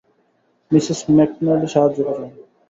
Mrs McNally সাহায্য করুন।